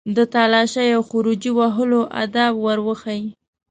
د تالاشۍ او خروجي وهلو آداب ور وښيي.